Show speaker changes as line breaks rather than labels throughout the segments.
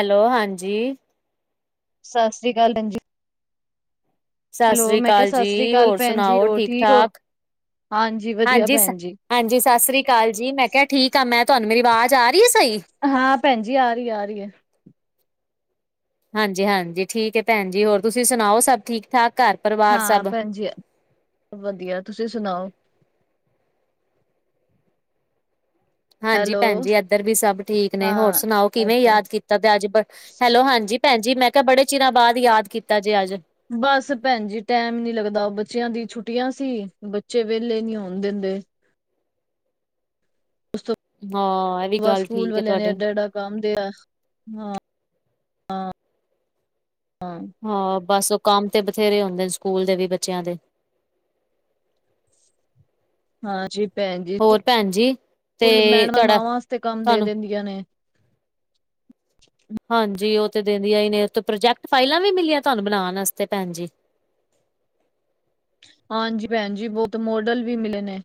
Hello ਹਾਂਜੀ
ਸਤਿ ਸ੍ਰੀ ਅਕਾਲ ਜੀ
ਸਤਿ
ਹੈਲੋ
ਸ੍ਰੀ
ਮੈਂ ਕਿਹਾ
ਅਕਾਲ
ਸਤਿ ਸ੍ਰੀ
ਜੀ
ਅਕਾਲ
ਹੋਰ
ਭੈਣ ਜੀ
ਸੁਣਾਓ
ਹੋਰ ਠੀਕ ਹੋ
ਠਾਕ
ਹਾਂਜੀ ਵਧੀਆ ਭੈਣ ਜੀ
ਹਾਂਜੀ ਸਤਿ ਸ੍ਰੀ ਅਕਾਲ ਜੀ ਮੈਂ ਕਿਹਾ ਠੀਕ ਆਂ ਮੈਂ ਤੁਹਾਨੂੰ ਮੇਰੀ ਆਵਾਜ਼ ਆ ਰਹੀ ਏ ਸਹੀ।
ਹਾਂ ਭੈਣ ਜੀ ਆ ਰੀ ਆ ਰੀ ਏ।
ਹਾਂਜੀ ਹਾਂਜੀ ਠੀਕ ਏ ਭੈਣ ਜੀ ਹੋਰ ਤੁਸੀਂ ਸੁਣਾਓ ਸਭ ਠੀਕ ਠਾਕ ਘਰ ਪਰਿਵਾਰ
ਹਾਂ
ਸਭ
ਭੈਣ ਜੀ ਵਧੀਆ ਤੁਸੀਂ ਸੁਣਾਓ
ਹਾਂਜੀ
ਹੈਲੋ
ਭੈਣਜੀ ਇੱਧਰ ਵੀ ਸਭ ਠੀਕ ਨੇ ਹੋਰ
ਹਾਂ
ਸੁਣਾਓ ਕਿਵੇਂ
ਅੱਛਾ
ਯਾਦ
ਅੱਛਾ
ਕੀਤਾ ਤੇ ਅੱਜ ਹੈਲੋ ਹਾਂਜੀ ਭੈਣਜੀ ਮੈਂ ਕਿਹਾ ਬੜੇ ਚਿਰਾਂ ਬਾਅਦ ਯਾਦ ਕੀਤਾ ਜੇ ਅੱਜ
ਬਸ ਭੈਣ ਜੀ ਟੈਮ ਨੀ ਲੱਗਦਾ ਬੱਚਿਆਂ ਦੀ ਛੁੱਟੀਆਂ ਸੀ ਬੱਚੇ ਵਿਹਲੇ ਈ ਨੀ ਹੋਣ ਦਿੰਦੇ। ਉਸ
ਹਾਂ ਇਹ ਵੀ
ਤੋਂ
ਗੱਲ
ਸਕੂਲ
ਠੀਕ ਹੈ
ਵਾਲਿਆਂ ਨੇ
ਤੁਹਾਡੇ
ਐਡਾ ਐਡਾ ਕੰਮ ਦੇ ਐ ਹਾਂ ਹਾਂ ਹਾਂ
ਹਾਂ ਬਸ ਉਹ ਕੰਮ ਤੇ ਬਥੇਰੇ ਹੁੰਦੇ ਨੇ ਸਕੂਲ ਦੇ ਵੀ ਬੱਚਿਆਂ ਦੇ
ਹਾਂਜੀ ਭੈਣ ਜੀ
ਹੋਰ ਭੈਣ ਜੀ
ਕੁਲ
ਤੇ
ਮੈਡਮਾਂ
ਤੁਹਾਡਾ
ਮਾਵਾਂ ਆਸਤੇ ਕੰਮ
ਤੁਹਾਨੂੰ
ਦੇ ਦਿੰਦੀਆਂ ਨੇ
ਹਾਂਜੀ ਉਹ ਤੇ ਦਿੰਦੀਆਂ ਹੀ ਨੇ ਉਹ ਤੇ ਪ੍ਰੋਜੈਕਟ ਫਾਈਲਾਂ ਵੀ ਮਿਲੀਆਂ ਤੁਹਾਨੂੰ ਬਣਾਣ ਆਸਤੇ ਭੈਣ ਜੀ
ਹਾਂਜੀ ਭੈਣ ਜੀ ਬਹੁਤ ਮੋਡਲ ਵੀ ਮਿਲੇ ਨੇ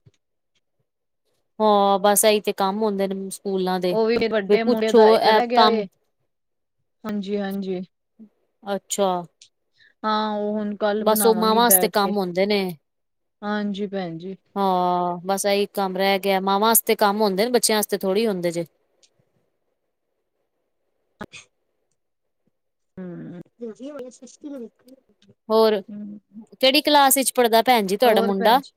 ਹਾਂ ਬਸ ਇਹੀ ਤੇ ਕੰਮ ਹੁੰਦੇ ਨੇ ਸਕੂਲਾਂ ਦੇ
ਉਹ ਵੀ ਵੱਡੇ ਮੁੜੇ
ਪੁੱਛੋ
ਦਾ ਇੱਕ
ਇਹ
ਕਰ ਗਿਆ
ਕੰਮ
ਏ। ਹਾਂਜੀ ਹਾਂਜੀ
ਅੱਛਾ
ਹਾਂ ਉਹ ਹੁਣ ਕੱਲ
ਬਸ ਉਹ
ਬਣਾਵਾਂਗੀ
ਮਾਵਾਂ ਵਾਸਤੇ
ਬੈਠ ਕੇ
ਕੰਮ ਹੁੰਦੇ ਨੇ।
ਹਾਂਜੀ ਭੈਣ ਜੀ
ਹਾਂ ਬਸ ਇਹੀ ਕੰਮ ਰਹਿ ਗਿਆ ਮਾਵਾਂ ਆਸਤੇ ਕੰਮ ਹੁੰਦੇ ਨੇ ਬੱਚਿਆਂ ਆਸਤੇ ਥੋੜ੍ਹੀ ਹੁੰਦੇ ਜੇ
ਅੱਛ ਹਮ ਹੁੰਦੀ ਹੋਣੀ ਸਸਤੀ
ਹੋਰ, ਕਿਹੜੀ ਕਲਾਸ ਵਿੱਚ ਪੜ੍ਹਦਾ ਭੈਣ ਜੀ ਤੁਹਾਡਾ
ਹੋਰ
ਮੁੰਡਾ?
ਭੈਣ ਜੀ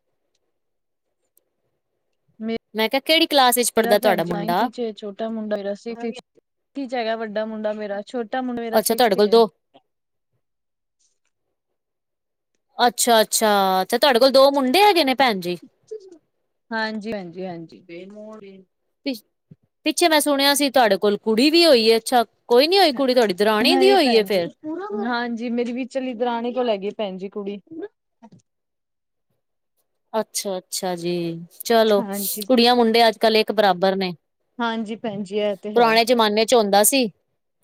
ਮੇ,
ਮੈਂ ਕਿਹਾ ਕਿਹੜੀ ਕਲਾਸ ਵਿੱਚ
ਮੇਰਾ
ਪੜ੍ਹਦਾ
ਭੈਣ
ਤੁਹਾਡਾ
ਜ ਨਾਇਨਥ
ਮੁੰਡਾ
'ਚ ਛੋਟਾ, ਾ ਮੁੰਡਾ ਜ ਸੀ 'ਚ ਹੈਗਾ, ਵੱਡਾ ਮੁੰਡਾ ਮੇਰਾ ਛੋਟ ਮੁੰਡਾ ਮੇਰਾ
ਅੱਛਾ ਤੁਹਾਡੇ
ਸਿਕਸਥ ਚ
ਕੋਲ
ਏ
ਦੋ ਅੱਛਾ ਅੱਛਾ, ਤੁਹਾਡੇ ਕੋਲ ਦੋ ਮੁੰਡੇ ਹੈਗੇ ਨੇ ਭੈਣ ਜੀ?
ਹਾਂਜੀ, ਹਾਂਜੀ, ਹਾਂਜੀ।
ਪਿੱਛੇ ਮੈਂ ਸੁਣਿਆ ਸੀ ਤੁਹਾਡੇ ਕੋਲ ਕੁੜੀ ਵੀ ਹੋਈ ਹੈ? ਅੱਛਾ ਕੋਈ ਨੀ ਹੋਈ ਕੁੜੀ, ਤੁਹਾਡੀ ਦਰਾਣੀ ਦੀ
ਨਹੀਂ
ਹੋਈ ਹੈ
ਭੈਣ ਜੀ
ਫੇਰ?
ਹਾਂਜੀ, ਮੇਰੀ ਵਿਚ ਵਾਲੀ ਦਰਾਣੀ ਕੋਲ ਹੈਗੀ ਭੈਣ ਜੀ ਕੁੜੀ।
ਅੱਛਾ ਅੱਛਾ ਜੀ, ਚਲੋ
ਹਾਂਜੀ
ਕੁੜੀਆਂ ਮੁੰਡੇ ਅੱਜ ਕੱਲ ਇੱਕ ਬਰਾਬਰ ਨੇ।
ਹਾਂਜੀ ਭੈਣ ਜੀ ਇਹ ਤੇ ਹੈ
ਪੁਰਾਣੇ ਜ਼ਮਾਨੇ 'ਚ ਆਉਂਦਾ ਸੀ।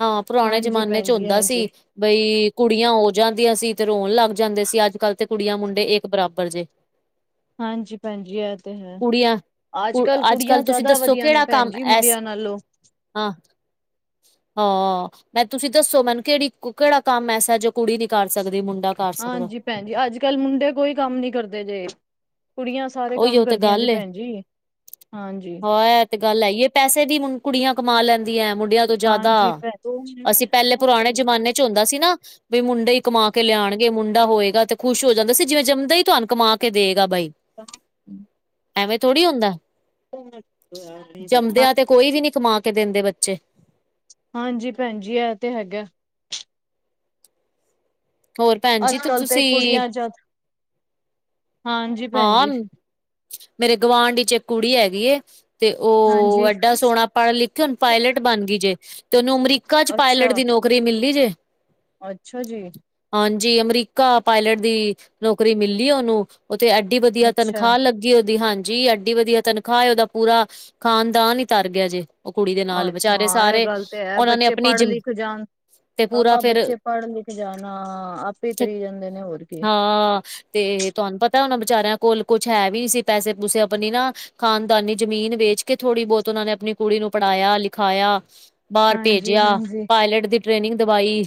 ਹਾਂ, ਪੁਰਾਣੇ
ਹਾਂਜੀ
ਜਮਾਨੇ 'ਚ
ਭੈਣ ਜੀ
ਹੁੰਦਾ
ਹਾਂਜੀ
ਸੀ। ਬਈ ਕੁੜੀਆਂ ਹੋ ਜਾਂਦੀਆਂ ਸੀ ਤੇ ਰੋਣ ਲੱਗ ਜਾਂਦੇ ਸੀ, ਅੱਜ ਕੱਲ੍ਹ ਤੇ ਕੁੜੀਆਂ ਮੁੰਡੇ ਇੱਕ ਬਰਾਬਰ ਜੇ।
ਹਾਂਜੀ ਭੈਣਜੀ, ਇਹ ਤੇ ਹੈ।
ਕੁੜੀਆਂ
ਅੱਜ
ਕੁ
ਕੱਲ ਕੁੜੀਆਂ
ਕੱਲ੍ਹ ਤੁਸੀਂ
ਜ਼ਿਆਦਾ
ਦੱਸੋ
ਵਧੀਆ ਨੇ,
ਕਿਹੜਾ
ਭੈਣ
ਕੰਮ
ਜੀ
ਐਸ
ਮੁੰਡਿਆਂ ਨਾਲੋਂ
ਹਾਂ। ਹਾਂ, ਮੈਂ ਤੁਸੀਂ ਦੱਸੋ ਮੈਨੂੰ ਕਿਹੜੀ ਕਿਹੜਾ ਕੰਮ ਐਸਾ ਜੋ ਕੁੜੀ ਨੀ ਕਰ ਸਕਦੀ? ਮੁੰਡਾ ਕਰ ਸਕਦਾ
ਹਾਂਜੀ ਭੈਣ ਜੀ, ਅੱਜ ਕੱਲ ਮੁੰਡੇ ਕੋਈ ਕੰਮ ਨੀ ਕਰਦੇ ਜੇ। ਕੁੜੀਆਂ ਸਾਰੇ ਕੰਮ
ਉਹੀਓ ਤੇ
ਕਰਦੀਆਂ ਜੇ
ਗੱਲ ਏ
ਭੈਣ ਜੀ, ਹਾਂਜੀ।
ਹਾਂ ਇਹ ਤੇ ਗੱਲ ਹੈਏ, ਪੈਸੇ ਵੀ ਕੁੜੀਆਂ ਕਮਾ ਲੈਂਦੀਆਂ ਹੈ ਮੁੰਡਿਆਂ ਤੋਂ ਜ਼ਿਆਦਾ,
ਹਾਂਜੀ ਭੈਣ
ਅਸੀਂ ਪਹਿਲੇ ਪੁਰਾਣੇ ਜਮਾਨੇ 'ਚ ਹੁੰਦਾ ਸੀ ਨਾ ਬਈ ਮੁੰਡਾ ਹੀ ਕਮਾ ਕੇ ਲਿਆਉਣਗੇ, ਮੁੰਡਾ ਹੋਏਗਾ ਤੇ ਖੁਸ਼ ਹੋ ਜਾਂਦਾ ਸੀ। ਜਿਵੇਂ ਜੰਮਦਾ ਹੀ ਤੁਹਾਨੂੰ ਕਮਾ ਕੇ ਦੇਗਾ ਬਾਈ ਐਵੇਂ ਥੋੜ੍ਹੀ ਹੁੰਦਾ। ਜੰਮਦਿਆਂ ਤੇ ਕੋਈ ਵੀ ਨੀ ਕਮਾ ਕੇ ਦਿੰਦੇ ਬੱਚੇ।
ਹਾਂਜੀ ਭੈਣ ਜ, ਇਹ ਤੇ ਹੈਗਾ।
ਹੋਰ ਭੈਣ ਜੀ
ਅੱਜ ਕੱਲ ਤੇ
ਤੁਸੀਂ
ਕੁੜੀਆਂ ਜਦ ਹਾਂਜੀ ਭੈਣ
ਹਾਂ,
ਜੀ
ਮੇਰੇ ਗਾਵਢੀ 'ਚ ਇੱਕ ਕੁੜੀ ਹੈਗੀ ਏ। ਤੇ ਉਹ
ਹਾਂਜੀ
ਐਡਾ ਸੋਹਣਾ ਪੜ੍ਹ ਲਿਖ ਕੇ, ਹਣ ਪਾਇਲਟ ਬਣ ਗਈ ਜੇ ਤੇ ਉਹਨੂੰ ਅਮਰੀਕਾ ਕਚ ਪਾਇਲਟ
ਅੱਛਾ
ਦੀ ਨੌਕਰੀ ਮਿਲਲੀ ਜੇ।
ਅੱਛਾ ਜੀ!
ਹਾਂਜੀ, ਅਮਰੀਕਾ ਪਾਇਲਟ ਦੀ ਨੌਕਰੀ ਮਿਲੀ ਉਹਨੂੰ ਉੱਥੇ ਐਡੀ ਵਧੀਆ
ਅੱਛਾ
ਤਨਖਾਹ ਲੱਗੀ‌। ਉਹਦੀ ਹਾਂਜੀ ਐਡੀ ਵਧੀਆ ਤਨਖਾਹ ਉਹਦੀ, ਪੂਰਾ ਖਾਨਦਾਨ ਹੀ ਤਰ ਗਿਆ ਜੇ‌।
ਅੱਛਾ, ਇਹ ਗੱਲ ਤੇ ਹੈ
ਉਹਨਾਂ ਨੇ
ਬੱਚੇ
ਆਪਣੀ
ਪੜ੍ਹ
ਜਿਮ
ਲਿਖ ਜਾਣ
ਤੇ ਪੂਰਾ
ਆਹ
ਫੇਰ
ਬੱਚੇ ਪੜ੍ਹ ਲਿਖ ਜਾਣਾ, ਆਪੇ ਤਰੀ ਜਾਂਦੇ ਨੇ ਹੋਰ ਕੀ।
ਹਾਂ। ਤੇ ਤੁਹਾਨੂੰ ਪਤਾ ਉਹਨਾਂ ਵਿਚਾਰਿਆਂ ਕੋਲ, ਕੁਛ ਹੈ ਵੀ ਨੀ ਸੀ ਪੈਸੇ -ਪੂਸੇ ਆਪਣੀ ਨਾ ਖ਼ਾਨਦਾਨੀ ਜ਼ਮੀਨ ਵੇਚ ਕੇ ਥੋੜ੍ਹੀ ਬਹੁਤ, ਉਹ ਨੇ ਆਪਣੀ ਕੁੜੀ ਨੂੰ ਪੜ੍ਹਾਇਆ ਲਿਖਾਇਆ ਬਾਹਰ
ਹਾਂਜੀ
ਭੇਜਿਆ,
ਹਾਂਜੀ
ਪਾਇਲਟ ਦੀ ਟ੍ਰੇਨਿੰਗ ਦਵਾਈ,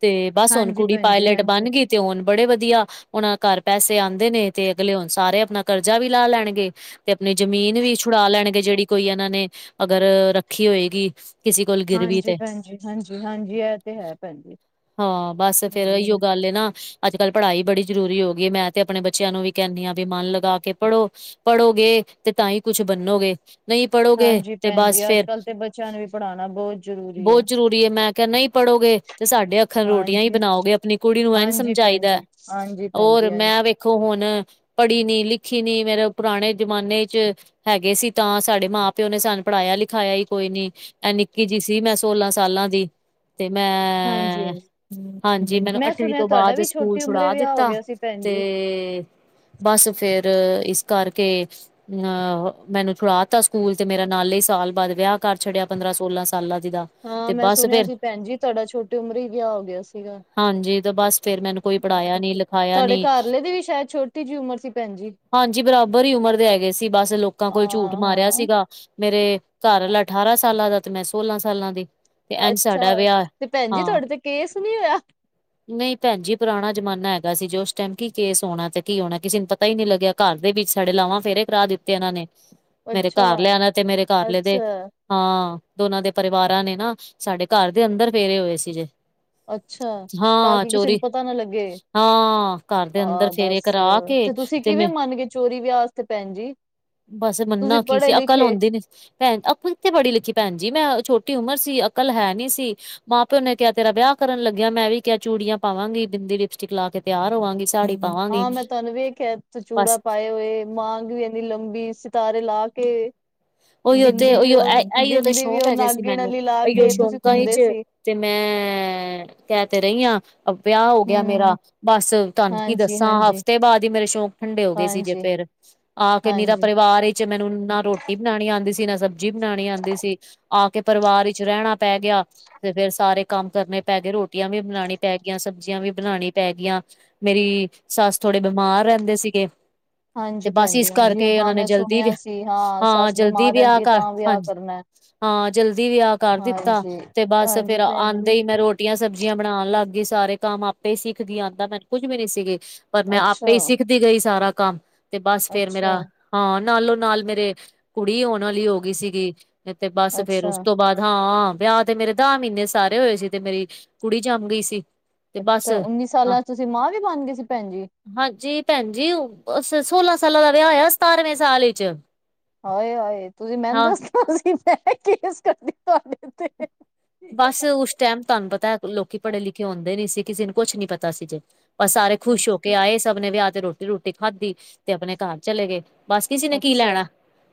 ਤੇ ਬਸ ਹੁਣ
ਹਾਂਜੀ
ਕੁੜੀ
ਭੈਣ ਜੀ
ਪਾਇਲਟ
ਹਾਂਜੀ
ਬਣ ਗਈ। ਤੇ ਹੋਣ ਬੜੇ ਵਧੀਆ, ੳਨਾ ਘਰ ਪੈਸੇ ਆਉਂਦੇ ਨੇ ਤੇ ਅਗਲੇ ਹੋਣ ਸਾਰੇ ਆਪਣਾ ਕਰਜ਼ਾ ਵੀ ਲਾ ਲੈਣਗੇ। ਤੇ ਆਪਣੀ ਜ਼ਮੀਨ ਵੀ ਛੁਡਾ ਲੈਣਗੇ, ਜਿਹੜੀ ਕੋਈ ਇਹਨਾਂ ਨੇ ਅਗਰ ਰੱਖੀ ਹੋਏਗੀ। ਕਿਸੇ ਕੋਲ ਗਿਰਵੀ
ਹਾਂਜੀ,
ਤੇ
ਭੈਣਜੀ ਹਾਂਜੀ -ਹਾਂਜੀ, ਇਹ ਤੇ ਹੈ ਭੈਣ ਜੀ।
ਹਾਂ ਬਸ ਫੇਰ ਇ
ਹਮ
ਗੱਲ ਨਾ, ਅੱਜ ਕੱਲ੍ਹ ਪੜ੍ਹਾਈ ਬੜੀ ਜ਼ਰੂਰੀ ਹੋ ਗਈ, ਮੈਂ ਤੇ ਆਪਣੇ ਬੱਚੇ ਬੱਚਿਆਂ ਨੂੰ ਵੀ ਕਹਿੰਦੀ ਹਾਂ, ਵੀ ਮਨ ਲਗਾ ਕੇ ਪੜ੍ਹੋ ਪੜ੍ਹੋਗੇ ਤੇ ਤਾਂ ਹੀ ਕੁਛ ਬੰਨੋਗੇ। ਨਹੀਂ ਪੜ੍ਹੋਗੇ
ਹਾਂਜੀ
ਤੇ
ਭੈਣ ਜੀ
ਬਸ
ਅੱਜ
ਫੇਰ
ਕੱਲ੍ਹ ਤੇ ਬੱਚਿਆਂ ਨੂੰ ਵੀ ਪੜ੍ਹਾਉਣਾ ਬਹੁਤ ਜ਼ਰੂਰੀ
ਬਹੁਤ ਜ਼ਰੂਰੀ ਹੈ, ਮੈਂ ਕਿਹਾ ਨਹੀਂ ਪੜ੍ਹੋਗੇ। ਤੇ ਸਾਡੇ ਅੱਖਾਂ ਰੋਟੀਆਂ ਹੀ
ਹਾਂਜੀ
ਬਣਾਓਗੇ, ਆਪਣੀ ਕੁੜੀ ਨੂੰ ਇੰਝ
ਹਾਂਜੀ ਭੈਣ
ਸਮਝਾਈਦਾ
ਜੀ ਹਾਂਜੀ ਭੈਣ
ਹੋਰ
ਜੀ
ਮੈਂ
ਹਾਂਜੀ
ਵੇਖ। ਵੇਖੋ ਹੁਣ ਪੜ੍ਹੀ ਨੀ ਲਿਖੀ, ਨੀ ਮੇਰੇ ਪੁਰਾਣੇ ਜ਼ਮਾਨੇ ਚ। ਹੈਗੇ ਸੀ ਤਾਂ ਸਾਡੇ ਮਾਂ ਪਿਓ ਨੇ, ਸਾਨੂੰ, ਪੜ੍ਹਾਇਆ ਲਿਖਾਇਆ ਹੀ ਕੋਈ ਨੀ। ਇਹ ਨਿੱਕੀ ਜਿਹੀ ਸੀ, ਮੈਂ ਸੋਲਾਂ ਸਾਲਾਂ ਦੀ। ਤੇ
ਹਾਂਜੀ
ਮੈਂ
ਹਾਂਜੀ
ਹਾਂਜੀ ਮੈਨੂੰ
ਮੈਂ
ਅੱਠਵੀਂ
ਸੁਣਿਆ
ਤੋਂ
ਤੁਹਾਡਾ
ਬਾਅਦ,
ਵੀ
ਸਕੂਲ
ਛੋਟੀ ਉਮਰੇ
ਛੁਡਾ
ਵਿਆਹ ਹੋ
ਦਿੱਤਾ ਤੇ।
ਗਿਆ ਸੀ ਭੈਣ ਜੀ
ਤੇ ਬਸ ਫੇਰ ਇਸ ਕਰਕੇ। ਅ ਮੈਨੂੰ ਛੁੜਾ ਤਾ ਸਕੂਲ ਤੇ ਮੇਰਾ ਨਾਲੇ ਹੀ ਸਾਲ ਬਾਅਦ ਵਿਆਹ ਕਰ ਛੱਡਿਆ, ਪੰਦਰਾਂ ਸੋਲਾਂ ਸਾਲਾਂ ਦੀ ਦਾ।
ਹਾਂ
ਤੇ
ਮੈਂ
ਬਸ
ਸੁਣਿਆ
ਫੇਰ
ਸੀ, ਭੈਣ ਜੀ ਤੁਹਾਡਾ ਛੋਟੀ ਉਮਰ ਹੀ ਵਿਆਹ ਹੋ ਗਿਆ ਸੀਗਾ।
ਹਾਂਜੀ ਤੇ ਬਸ ਫੇਰ ਮੈਨੂੰ ਕੋਈ
ਹਾਂ
ਪੜ੍ਹਾਇਆ ਨੀ ਲਿਖਾਇਆ
ਤੁਹਾਡੇ
ਨੀ
ਘਰਆਲੇ ਦੀ ਵੀ ਸ਼ਾਇਦ, ਛੋਟੀ ਜਿਹੀ ਉਮਰ ਸੀ ਭੈਣਜੀ।
ਹਾਂਜੀ ਬਰਾਬਰ ਹੀ ਉਮਰ ਦੇ ਹੈਗੇ ਏ ਸੀ, ਬਸ ਲੋਕਾਂ ਕੋਲ ਝੂਠ
ਹਾਂ
ਮਾਰਿਆ
ਹਾਂ
ਸੀਗਾ। ਮੇਰੇ ਘਰ ਆਲਾ ਅਠਾਰਾਂ ਸਾਲਾਂ ਦਾ ਤੇ, ਮੈਂ ਸੋਲਾਂ ਸਾਲਾਂ ਦੀ। ਤੇ ਇੰਝ
ਅੱਛਾ,
ਸਾਡਾ ਵਿਆਹ
ਤੇ ਭੈਣ ਜੀ
ਹਾਂ
ਤੁਹਾਡੇ ਤੇ ਕੇਸ ਨੀ ਹੋਇਆ।
ਨਹੀਂ ਭੈਣ ਜੀ ਪੁਰਾਣਾ ਜਮਾਨਾ ਹੈਗਾ ਸੀ, ਜੋ ਉਸ ਟਾਈਮ ਕੀ। ਕੇਸ ਹੋਣਾ ਤੇ ਕੀ ਹੋਣਾ, ਕਿਸੇ ਨੂੰ ਪਤਾ ਹੀ ਨੀ ਲੱਗਿਆ ਘਰ ਦੇ ਵਿੱਚ ਸਾਡੇ ਲਾਵਾਂ ਫੇਰੇ ਕਰਾ ਦਿੱਤੇ ਇਹਨਾਂ ਨੇ। ਮੇਰੇ
ਅੱਛਾ
ਘਰ ਲਿਆਂਨਾ ਤੇ ਮੇਰੇ ਘਰਆਲੇ ਦੇ।
ਅੱਛਾ
ਹਾਂ ਦੋਨਾਂ ਦੇ ਪਰਿਵਾਰਾਂ ਨੇ ਨਾ ਸਾਡੇ ਘਰ ਦੇ ਅੰਦਰ ਫੇਰੇ ਹੋਏ ਸੀ ਜੇ।
ਅੱਛਾ ਤਾਂ
ਹਾਂ
ਕਿ ਕਿਸੇ ਨੂੰ
ਚੋਰੀ
ਪਤਾ ਨਾ ਲੱਗੇ।
ਹਾਂ ਘਰ ਦੇ ਅੰਦਰ
ਆਹ
ਫੇਰੇ
ਦੱਸ
ਕਰਾ ਕੇ
ਤੇ ਤੁਸੀਂ ਕਿਵੇਂ
ਮੈਂ
ਮਨ ਗਏ, ਚੋਰੀ ਵਿਆਹ ਵਾਸਤੇ ਭੈਣ ਜੀ।
ਬਸ
ਤੁਸੀਂ
ਮੰਨਣਾ ਕੀ
ਪੜ੍ਹੇ
ਸੀ ਅਕਲ
ਲਿਖੇ
ਹੁੰਦੀ ਨੀ। ਭੈਣ ਅਕਲ ਤੇ ਪੜ੍ਹੀ ਲਿਖੀ ਭੈਣ ਜੀ, ਮੈਂ ਛੋਟੀ ਉਮਰ ਸੀ ਅਕਲ ਹੈ ਨੀ ਸੀ। ਮਾਂ ਪਿਓ ਨੇ ਕਿਹਾ ਤੇਰਾ ਵਿਆਹ ਕਰਨ ਲਗੇ ਆ, ਮੈਂ ਵੀ ਕਿਹਾ ਚੂੜੀਆਂ ਪਾਵਾਂਗੀ, ਬਿੰਦੀ ਲਿਪਸਟਿਕ ਲਾ ਕੇ ਤਿਆਰ ਹੋਵਾਂਗੀ ਸਾੜੀ। ਪਾਵਾਂਗੀ
ਹਾਂ ਮੈਂ ਤੁਹਾਨੂੰ ਵੇਖਿਆ
ਬਸ
ਚੂੜਾ ਪਾਏ ਹੋਏ। ਮਾਂਗ ਵੀ ਇਨੀ ਲੰਬੀ ਸਿਤਾਰੇ ਲਾ ਕੇ।
ਉਹੀਓ ਤੇ
ਬਿੰਦੀ ਵੀ
ਉਹੀਓ
ਉਹ
ਇਹੀਓ ਤੇ
ਬਿੰਦੀ ਵੀ,
ਸ਼ੌਕ
ਉਹ
ਹੈਗੇ ਸੀ
ਨਾਗਣ
ਮੈਨੂੰ
ਆਲੀ ਲਾ
ਇਹੀਓ
ਕੇ ਤੁਸੀਂ
ਸ਼ੌਕਾਂ
ਘੁੰਮਦੇ
ਵਿੱਚ
ਸੀ।
ਤੇ ਮੈਂ ਕਹਿ ਤੇ ਰਹੀ ਹਾਂ ਆ ਵਿਆਹ ਹੋ ਗਿਆ ਮੇਰਾ।
ਹੂੰ
ਬਸ ਤੁਹਾਨੂੰ ਕੀ
ਹਾਂਜੀ
ਦੱਸਾਂ,
ਹਾਂਜੀ
ਹਫ਼ਤੇ ਬਾਅਦ ਹੀ ਮੇਰੇ ਸ਼ੌਕ ਠੰਡੇ ਹੋ ਗਏ ਸੀ ਜੇ
ਹਾਂਜੀ
ਫੇਰ। ਆ ਕੇੰ ਨਿਰਾ
ਹਾਂਜੀ
ਪਰਿਵਾਰ ਹੀ‌। ਵਿੱਚ ਮੈਨੂੰ ਨਾ ਰੋਟੀ ਬਣਾਉਣੀ ਆਉਂਦੀ ਸੀ, ਨਾ ਸਬਜ਼ੀ ਬਣਾਉਣੀ ਆਉਂਦੀ ਸੀ, ਆ ਕੇ ਪਰਿਵਾਰ ਵਿੱਚ ਰਹਿਣਾ। ਪੈ ਗਿਆ ਤੇ ਫੇਰ ਸਾਰੇ ਕੰਮ ਕਰਨੇ ਪੈ ਗਏ ਰੋਟੀਆਂ ਵੀ ਬਣਾਉਣੀ ਪੈ ਗਈਆਂ ਸਬਜ਼ੀਆਂ ਵੀ ਬਣਾਉਣੀ ਪੈ ਗਈਆਂ ਮੇਰੀ ਸੱਸ ਥੋੜੇ ਬਿਮਾਰ ਰਹਿੰਦੇ ਸੀਗੇ ਤੇ
ਹਾਂਜੀ
ਬਸ
ਭੈਣ
ਇਸ
ਜੀ ਹਾਂਜੀ
ਕਰਕੇ
ਹਾਂ
ਉਹਨਾਂ ਨੇ
ਮੈਂ
ਜਲਦੀ
ਸੁਣਿਆ ਸੀ
ਹਾਂ
ਸੱਸ
ਜਲਦੀ
ਬਿਮਾਰ
ਵਿਆਹ
ਰਹਿੰਦੀ
ਕਰ
ਤਾਂ ਵਿਆਹ
ਹਾਂਜੀ
ਕਰਨਾ
ਹਾਂ ਜਲਦੀ ਵਿਆਹ ਕਰ ਦਿੱਤਾ
ਹਾਂਜੀ
ਤੇ ਬਸ ਫੇਰ
ਹਾਂਜੀ ਭੈਣ
ਆਉਂਦੇ
ਜੀ
ਹੀ ਮੈਂ ਰੋਟੀ ਰੋਟੀਆਂ ਸਬਜ਼ੀਆਂ ਬਣਾਉਣ ਲੱਗ ਗਈ ਸਾਰੇ ਕੰਮ ਆਪੇ ਹੀ ਸਿੱਖ ਗਈ ਆਉਂਦਾ ਮੈਨੂੰ ਕੁੱਝ ਵੀ ਨੀ ਸੀਗੇ ਪਰ ਮੈਂ ਆਪੇ
ਅੱਛਾ
ਹੀ ਸਿੱਖਦੀ ਗਈ ਸਾਰਾ ਕੰਮ ਤੇ ਬਸ ਫੇਰ
ਅੱਛਾ
ਮੇਰਾ ਹਾਂ ਨਾਲੋਂ ਨਾਲ ਮੇਰੇ। ਕੁੜੀ ਹੋਣ ਵਾਲੀ ਹੋ ਗਈ ਸੀਗੀ ਤੇ ਬਸ ਫੇਰ ਉਸ
ਅੱਛਾ
ਤੋਂ ਬਾਅਦ ਹਾਂ ਵਿਆਹ ਤੇ ਮੇਰੇ ਦਾਹ ਮਹੀਨੇ ਸਾਰੇ ਹੋਏ ਸੀ ਤੇ ਮੇਰੀ ਕੁੜੀ ਜੰਮ ਗਈ ਸੀ ਤੇ ਬਸ
ਅੱਛਾ ਉੱਨੀ
ਹਾਂ
ਸਾਲਾਂ ਚ ਤੁਸੀਂ ਮਾਂ ਵੀ ਬਣ ਗਏ ਸੀ ਭੈਣ ਜੀ
ਹਾਂਜੀ ਭੈਣ ਜੀ ਸੋਲਾਂ ਸਾਲਾਂ ਦਾ ਵਿਆਹ ਹੋਇਆ ਸਤਾਰਵੇਂ ਸਾਲ ਵਿਚ
ਹਾਏ ਹਾਏ ਤੁਸੀਂ ਮੈਨੂੰ ਦੱਸਣਾ ਸੀ ਮੈਂ ਕੇਸ ਕਰਦੀ ਤੁਹਾਡੇ ਤੇ
ਬਸ ਉਸ ਟਾਈਮ ਤੁਹਾਨੂੰ ਪਤਾ ਲੋਕੀ ਪੜ੍ਹੇ ਲਿਖੇ ਹੁੰਦੇ ਨੀ ਸੀ ਕਿਸੇ ਨੂੰ ਕੁਛ ਨੀ ਪਤਾ ਸੀ ਜੇ ਪਰ ਸਾਰੇ ਖੁਸ਼ ਹੋ ਕੇ
ਅੱਛਾ
ਆਏ ਸਭ ਨੇ ਵਿਆਹ ਤੇ ਰੋਟੀ ਰੂਟੀ ਖਾਧੀ ਤੇ ਆਪਣੇ ਘਰ ਚਲੇ ਗਏ। ਬਸ ਕਿਸੇ ਨੇ ਕੀ ਲੈਣਾ,
ਅੱਛਾ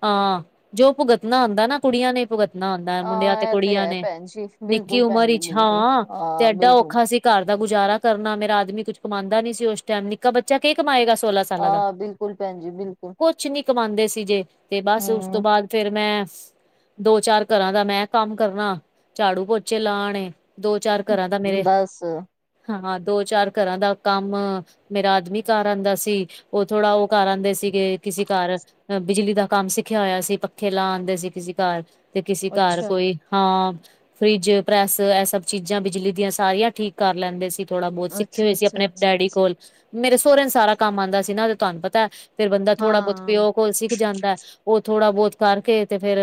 ਹਾਂ ਜੋ ਭੁਗਤਣਾ ਹੁੰਂਦਾ ਨਾ ਕੁੜੀਆਂ ਨੇ ਭੁਗਤ ਹੁੰਦਾ ਮੁੰਡਿਆਂ ਤੇ
ਹਾਂ ਇਹ
ਕੁੜੀਆਂ
ਹੈ
ਨੇ,
ਭੈਣ ਜੀ
ਨਿੱਕੀ
ਬਿਲਕੁਲ
ਉਮਰ
ਭੈਣ ਜੀ
ਵਿਚ
ਬਿਲਕੁਲ
ਹਾਂ ਤੇ
ਹਾਂ
ਐਡਾ
ਬਿਲਕੁਲ
ਔਖਾ ਅਸੀ ਘਰ ਦਾ ਗੁਜ਼ਾਰਾ ਕਰਨਾ, ਮੇਰਾ ਆਦਮੀ ਕੁੱਛ ਕਮਾਂਦਾ ਨੀ ਸੀ ਉਸ ਟੈਮ ਨਿੱਕਾ ਬੱਚਾ ਕੇ ਕਮਾਏਗਾ। ਸੋਲਾਂ ਸਾਲਾਂ ਦਾ,
ਹਾਂ ਬਿਲਕੁਲ ਭੈਣ ਜੀ ਬਿਲਕੁਲ
ਕੁਛ ਨੀ ਕਮਾਦੇ ਸੀ ਜੇ ਤੇ ਬਸ ਉਸ ਤੋਂ
ਹੂੰ
ਬਾਅਦ ਫੇਰ ਮੈਂ, ਦੋ ਚਾਰ ਘਰਾਂ ਦਾ ਮੈਂ ਕੰਮ ਕਰਨਾ। ਝਾੜੂ ਪੋਚੇ ਲਾ ਆਣੇ, ਦੋ ਚਾਰ ਘਰਾਂ ਦਾ ਮੇਰੇ
ਬਸ
ਹਾਂ ਦੋ ਚਾਰ ਘਰਾਂ ਦਾ ਕੰਮ ਮੇਰਾ ਆਦਮੀ ਘਰ ਆਦਾ ਸੀ, ਉਹ ਥੋੜ੍ਹਾ ਉਹ ਘਰ ਆਦੇ ਸੀਗੇ ਕਿਸੇ ਘਰ ਅ ਬਿਜਲੀ ਦਾ ਕੰਮ ਸਿੱਖਿਆ ਹੋਇਆ ਸੀ ਪੱਖੇ ਲਾ ਆਦੇ ਸੀਗੇ ਕਿਸੇ ਘਰ ਤੇ ਕਿਸੇ ਘਰ
ਅੱਛਾ
ਕੋਈ ਹਾਂ, ਫਰਿੱਜ ਪ੍ਰੈਸ ਇਹ ਸਭ ਚੀਜ਼ਾਂ ਬਿਜਲੀ ਦੀਆਂ ਸਾਰੀਆਂ ਠੀਕ ਕਰ ਲੈਂਦੇ ਸੀ। ਥੋੜਾ ਬਹੁਤ ਸਿੱਖੇ
ਅੱਛਾ
ਹੋਏ ਸੀ
ਅੱਛਾ
ਆਪਣੇ
ਅੱਛਾ
ਡੈਡੀ ਕੋਲ, ਮੇਰੇ ਸਹੁਰਿਆਂ ਨੂੰ ਸਾਰਾ ਕੰਮ ਆਦਾ ਸੀ ਨਾ ਉਹ ਤੁਹਾਨੂੰ ਪਤਾ ਫੇਰ ਬੰਦਾ ਥੋੜਾ ਬਹੁਤ
ਹਾਂ
ਪਿਓ ਕੋਲ ਸਿੱਖ ਜਾਂਦਾ, ਉਹ ਥੋੜਾ ਬਹੁਤ ਕਰਕੇ ਤੇ ਫੇਰ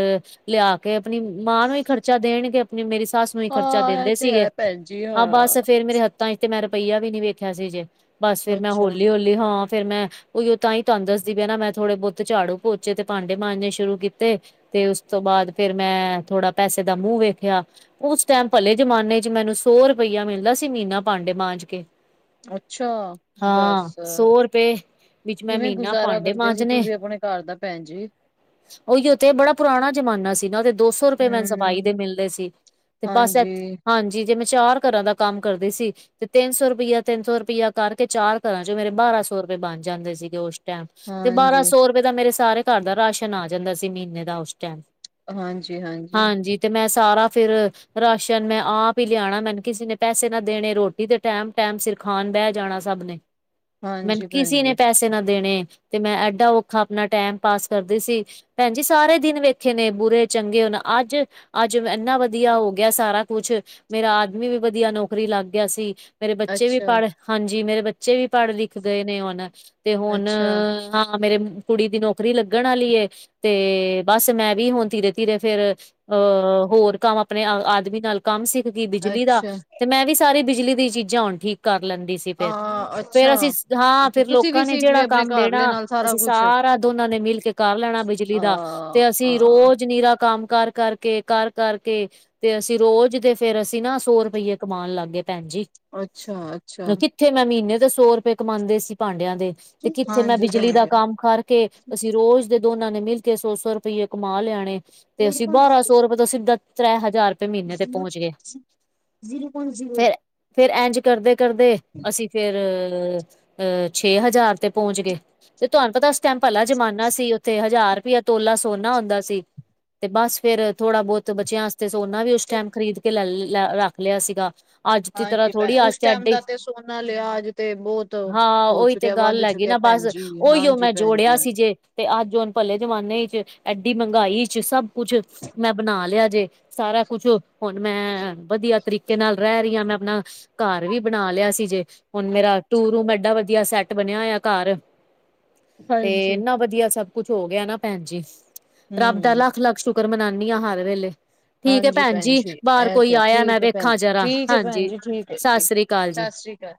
ਲਿਆ। ਕੇ ਆਪਣੀ ਮਾਂ ਨੂੰ ਹੀ ਖਰਚਾ ਦੇਣ ਕੇ ਆਪਣੀ ਮੇਰੀ ਸੱਸ ਹੀ ਖਰਚਾ
ਹਾਂ ਇਹ
ਦਿੰਦੇ
ਤੇ
ਸੀਗੇ,
ਹੈ ਭੈਣ ਜੀ
ਹਾਂ ਬਸ ਫੇਰ ਮੇਰੇ ਹੱਥ ਤਾਂ ਤੇ ਮੈਂ ਰੁਪਈਆ ਵੀ ਨੀ ਵੇਖਿਆ ਸੀ ਜੇ, ਬਸ ਫੇਰ ਮੈਂ
ਅੱਛਾ
ਹੋਲੀ-ਹੌਲੀ ਹਾਂ ਫੇਰ ਮੈਂ ਉਈ ਉਹ ਤਾਂ ਹੀ ਤੁਹਾਨੂੰ ਦੱਸਦੀ ਵੀ ਨਾ ਮੈਂ ਥੋੜੇ ਬਹੁਤੇ ਝਾੜੂ ਪੋਚੇ ਤੇ ਪਾਂਡੇ ਮਾਂਜੇ ਸ਼ੁਰੂ ਕੀਤੇ। ਤੇ ਉਸ ਤੋਂ ਬਾਦ ਫੇਰ ਮੈਂ ਥੋੜਾ ਪੈਸੇ ਦਾ ਮੂੰਹ ਵੇਖਿਆ। ਉਸ ਟੈਮ ਭਲੇ ਜ਼ਮਾਨੇ ਚ ਮੈਨੂੰ ਸੌ ਰੁਪਇਆ ਮਿਲਦਾ ਸੀ ਮੀਨਾ ਭਾਂਡੇ ਮਾਂਜ ਕੇ।
ਅੱਛਾ
ਹਾਂ
ਦਸ,
ਸੌ ਰੁਪਏ ਵਿੱਚ ਮੈਂ
ਕਿਵੇਂ
ਮਹੀਨਾ
ਗੁਜ਼ਾਰਾ
ਭਾਂਡੇ
ਕਰਦੇ ਸੀ
ਮਾਂਜਣੇ
ਤੁਸੀਂ ਆਪਣੇ ਘਰ ਦਾ ਭੈਣ ਜੀ?
ਉਹੀ ਉੱਥੇ ਬੜਾ ਪੁਰਾਣਾ ਜ਼ਮਾਨਾ ਸੀ ਨਾ ਉਹਦੇ ਦੋ ਸੌ ਰੁਪਏ ਮੈਨ ਸਫਾਈ
ਹੂੰ
ਦੇ ਮਿਲਦੇ ਸੀ। ਤੇ ਬਸ ਇ,
ਹਾਂਜੀ
ਹਾਂਜੀ ਜਿਵੇਂ ਚਾਰ ਘਰਾਂ ਦਾ ਕੰਮ ਕਰਦੀ ਸੀ। ਤੇ ਤਿੰਨ ਸੌ ਰੁਪਇਆ ਤਿੰਨ ਸੌ ਰੁਪਇਆ ਕਰਕੇ ਚਾਰ ਘਰਾਂ ਚੋਂ ਮੇਰੇ ਬਾਰਾਂ ਸੌ ਰੁਪਏ ਬਣ ਜਾਂਦੇ ਸੀਗੇ ਉਸ ਤੇ ਬਾਰਾਂ
ਹਾਂਜੀ,
ਸੌ ਰੁਪਏ ਦਾ ਮੇਰੇ ਸਾਰੇ ਘਰ ਦਾ ਰਾਸ਼ਨ ਆ ਜਾਂਦਾ ਸੀ ਮਹੀਨੇ ਦਾ ਉਸ ਟੈਮ
ਹਾਂਜੀ-ਹਾਂਜੀ,
ਤੇ ਮੈਂ ਸਾਰਾ ਫੇਰ ਰਾਸ਼ਨ ਮੈਂ ਆਪ ਹੀ ਲਿਆਣਾ ਮੈਨੂੰ ਕਿਸੇ ਨੇ ਪੈਸੇ ਨਾ ਦੇਣੇ ਰੋਟੀ ਤੇ ਟੈਮ-ਟੈਮ ਸਿਰ ਖਾਣ ਬਹਿ ਜਾਣਾ ਸਭ ਨੇ ਮੈਨੂੰ
ਹਾਂਜੀ ਭੈਣ
ਕਿਸੇ ਨੇ
ਜੀ
ਪੈਸੇ ਨਾ ਦੇਣੇ। ਤੇ ਮੈਂ ਐਡਾ ਔਖਾ ਆਪਣਾ ਟੈਮ ਪਾਸ ਕਰਦੀ ਸੀ। ਭੈਣ ਜੀ ਸਾਰੇ ਦਿਨ ਵੇਖੇ ਨੇ ਬੁਰੇ ਚੰਗੇ ਹੁਣ ਅੱਜ-ਅੱਜ ਇੰਨਾ ਵ ਵਧੀਆ ਹੋ ਗਿਆ ਸਾਰਾ ਕੁਛ, ਮੇਰਾ ਆਦਮੀ ਵੀ ਵਧੀਆ ਨੌਕਰੀ ਲੱਗ ਗਿਆ ਸੀ ਮੇਰੇ ਬੱਚੇ ਵੀ
ਅੱਛਾ,
ਪੜ੍ਹ ਹਾਂਜੀ ਮੇਰੇ ਬੱਚੇ ਵੀ ਪੜ੍ਹ ਲਿਖ ਗਏ ਨੇ ਹੁਣ, ਤੇ ਹੁਣ
ਅੱਛਾ,
ਹਾਂ ਮੇਰੇ ਕੁੜੀ ਦੀ ਨੌਕਰੀ ਲੱਗਣ ਆਲੀ ਐ। ਤੇ ਬਸ ਮੈਂ ਵੀ ਹੁਣ ਧੀਰੇ-ਧੀਰੇ ਫੇਰ ਅਹ ਹੋਰ ਕ ਆਪਣੇ ਆਦਮੀ ਨਾਲ ਕੰਮ ਸਿੱਖ ਗਈ ਬਿਜਲੀ ਦਾ,
ਅੱਛਾ
ਤੇ ਮੈਂ ਵੀ ਸਾਰੀ ਬਿਜਲੀ ਦੀ ਚੀਜ਼ਾਂ ਹੁਣ ਠੀਕ ਕਰ ਲੈਂਦੀ ਸੀ। ਫਿਰ,
ਆ
ਫੇਰ ਅਸੀਂ
ਅੱਛਾ।
ਹਾਂ
ਅੱਛਾ
ਫੇਰ
ਤੁਸੀਂ
ਲੋਕਾਂ
ਵੀ
ਨੇ
ਸਿੱਖ ਗਏ
ਜਿਹੜਾ
ਆਪਣੇ
ਕੰਮ
ਘਰਲੇ
ਦੇਣਾ
ਨਾਲ
ਅਸੀਂ
ਕੁਛ
ਸਾਰਾ ਦੋਨਾਂ ਦੇ ਮਿਲ ਕੇ ਕਰ ਲੈਣਾ ਬਿਜਲੀ
ਆ
ਦਾ, ਤੇ ਅਸੀਂ
ਆ
ਰੋਜ਼ ਨੀਰਾ ਕੰਮ ਕਰ ਕਰਕੇ ਕੇ ਕਰ ਕਰਕੇ, ਤੇ ਅਸੀਂ ਰੋਜ਼ ਤੇ ਫੇਰ ਅਸੀਂ ਨਾ ਸੌ ਰੁਪਈਏ ਕਮਾਣ ਲੱਗ ਗਏ ਭੈਣ ਜੀ
ਅੱਛਾ-ਅੱਛਾ
ਫੇਰ ਮੈਂ ਮਹੀਨੇ ਦੇ ਸੌ ਰੁਪਏ ਕਮਾਦੀ ਸੀ ਭਾਂਡਿਆਂ ਦੇ ਤੇ ਕਿੱਥੇ ਮੈਂ
ਹਾਂਜੀ
ਬਿਜਲੀ
ਭੈਣ
ਦਾ
ਜੀ।
ਕੰਮ ਕਰਕੇ ਅਸੀਂ ਰੋਜ਼ ਦੇ ਦੋਨਾਂ ਨੇ ਮਿਲ ਕੇ ਸੌ-ਸੌ ਰੁਪਈਏ ਕਮਾ ਲਿਆਣੇ ਤੇ ਅਸੀਂ ਬਾਰਾਂ ਸੌ ਰੁਪਏ ਤਾਂ ਸਿੱਧਾ ਤ੍ਰੈ ਹਜ਼ਾਰ ਰੁਪਏ ਮਹੀਨੇ ਤੇ ਪਹੁੰਚ ਗਏ, ਫੇਰ ਫੇਰ ਇੰਝ ਕਰਦੇ ਕਰਦੇ ਅਸੀਂ ਫੇਰ ਅਹ ਛੇ ਹਜ਼ਾਰ ਤੇ ਪਹੁੰਚ ਗਏ, ਤੇ ਤੁਹਾਨੂੰ ਪਤਾ ਸ ਉਸ ਟਾਈਮ ਭਲਾ ਜਮਾਨਾ ਸੀ ਉੱਥੇ, ਹਜ਼ਾਰ ਰੁਪਏ ਤੋਲਾ ਸੋਨਾ ਹੁੰਦਾ ਸੀ ਤੇ ਬਸ ਫੇਰ ਥੋੜ੍ਹਾ ਬਹੁਤ ਬੱਚਿਆਂ ਵਾਸਤੇ ਸੋਨਾ ਵੀ ਉਸ ਟਾਈਮ ਖਰੀਦ ਕੇ ਲੈ ਰੱਖ ਲਿਆ ਸੀਗਾ ਅੱਜ ਦੀ ਤਰ੍ਹਾਂ
ਹਾਂਜੀ ਭੈਣ
ਥੋੜ੍ਹੀ ਆ
ਉਸ
ਚ
ਟਾਈਮ
ਅੱਡੇ,
ਦਾ ਤੇ ਸੋਨਾ ਲਿਆ ਅੱਜ ਤੇ ਬਹੁਤ
ਹਾਂ
ਹੋ
ਉਹੀ ਤੇ
ਚੁੱਕਿਆ ਵੱਧ
ਗੱਲ ਹੈਗੀ
ਚੁੱਕਿਆ
ਨਾ ਬਸ,
ਭੈਣ ਜੀ
ਓਹੀਓ
ਹਾਂਜੀ
ਮੈਂ
ਭੈਣ ਜੀ।
ਜੋੜਿਆ ਸੀ ਜੇ ਤੇ ਅੱਜ ਹੁਣ ਭਲੇ ਜ਼ਮਾਨੇ 'ਚ ਐਡੀ ਮਹਿੰਗਾਈ 'ਚ ਸਭ ਕੁਛ ਮੈਂ ਬਣਾ ਲਿਆ ਜੇ, ਸਾਰਾ ਕੁਛ ਹੁਣ ਮੈਂ ਵਧੀਆ ਤਰੀਕੇ ਨਾਲ ਰਹਿ ਰਹੀ ਹਾਂ ਮੈਂ ਆਪਣਾ ਘਰ ਵੀ ਬਣਾ ਲਿਆ ਸੀ ਜੇ, ਹੁਣ ਮੇਰਾ ਟੂ ਰੂਮ ਐਡਾ ਵਧੀਆ ਸੈੱਟ ਬਣਿਆ ਹੋਇਆ ਘਰ ਤੇ
ਹਾਂਜੀ
ਇਨਾ ਵਧੀਆ ਸਭ ਕੁਛ ਹੋ ਗਿਆ ਨਾ ਭੈਣ ਜੀ, ਰੱਬ ਦਾ
ਹੂੰ।
ਲੱਖ- ਲੱਖ ਸ਼ੁਕਰ ਸੁਕਰ ਮਨਾਉਂਦੀ ਆ ਹਰ ਵੇਲੇ ਠੀਕ ਹੈ
ਹਾਂਜੀ
ਭੈਣ ਜੀ ਬਾਹਰ
ਇਹ
ਕੋਈ
ਤੇ
ਆਇਆ ਮੈਂ
ਠੀਕ ਹੈ ਭੈਣ
ਵੇਖਾਂ ਜਰਾ,
ਜੀ ਠੀਕ ਹੈ ਭੈਣ
ਹਾਂਜੀ,
ਜੀ ਠੀਕ ਹੈ
ਸਤਿ
ਠੀਕ
ਸ੍ਰੀ ਅਕਾਲ
ਸਤਿ
ਜੀ
ਸ੍ਰੀ ਅਕਾਲ